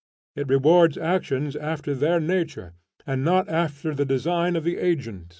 It rewards actions after their nature, and not after the design of the agent.